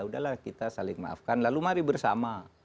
udahlah kita saling maafkan lalu mari bersama